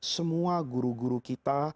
semua guru guru kita